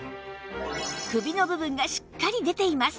首の部分がしっかり出ています